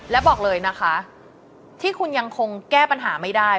และบอกเลยนะคะที่คุณยังคงแก้ปัญหาไม่ได้